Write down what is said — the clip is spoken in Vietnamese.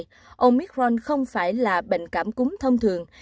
tuy nhiên omicron không phải là bệnh cảm cúng thông thường